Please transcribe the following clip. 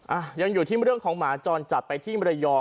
อ่ะยังอยู่ที่เรื่องของหมาจรจัดไปที่มรยอง